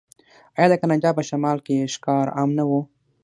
آیا د کاناډا په شمال کې ښکار عام نه و؟